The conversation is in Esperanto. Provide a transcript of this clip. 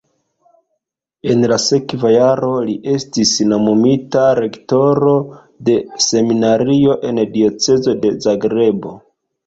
En la sekva jaro li estis nomumita rektoro de seminario en diocezo de Zagrebo.